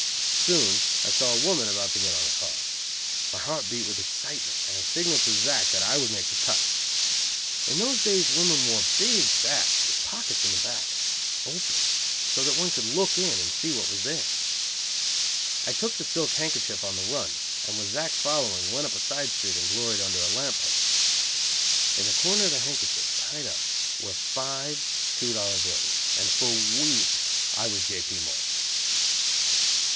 Soon I saw a woman about to get on the car. My heart beat with excitement, and I signalled to Zack that I would make the "touch." In those days women wore big sacques with pockets in the back, open, so that one could look in and see what was there. I took the silk handkerchief on the run, and with Zack following, went up a side street and gloried under a lamp post. In the corner of the handkerchief, tied up, were five two dollar bills, and for weeks I was J. P. Morgan.